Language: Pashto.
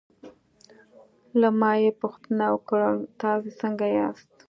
له ما یې پوښتنه وکړل: تاسې څنګه یاست؟